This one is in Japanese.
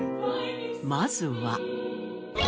まずは。